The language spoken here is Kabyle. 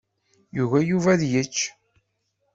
Yugi Yuba ad yečč.